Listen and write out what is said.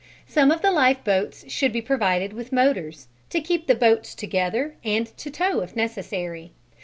Some of the lifeboats should be provided with motors, to keep the boats together and to tow if necessary.